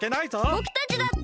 ぼくたちだって！